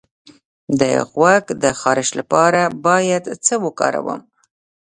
د غوږ د خارش لپاره باید څه وکاروم؟